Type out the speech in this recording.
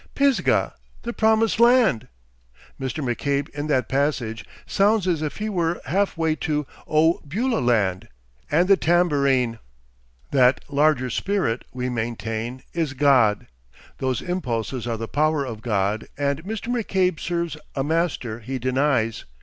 "Pisgah the Promised Land!" Mr. McCabe in that passage sounds as if he were half way to "Oh! Beulah Land!" and the tambourine. That "larger spirit," we maintain, is God; those "impulses" are the power of God, and Mr. McCabe serves a Master he denies.